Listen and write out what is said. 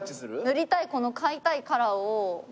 塗りたいこの買いたいカラーを試す